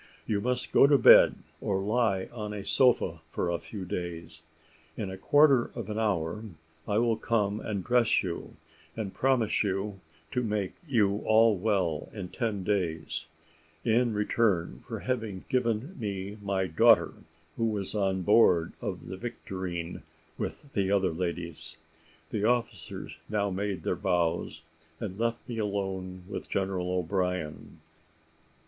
You must go to bed, or lie on a sofa for a few days. In a quarter of an hour I will come and dress you, and promise you to make you all well in ten days, in return for your having given me my daughter, who was on board of the Victorine with the other ladies." The officers now made their bows, and left me alone with General O'Brien.